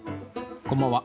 こんばんは。